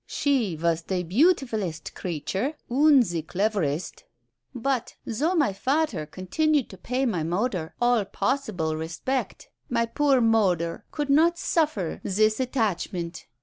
She was the beautifullest creature and the cleverest, but, though my fader continued to pay my moder all possible respect, my poor moder could not suffer this attachment.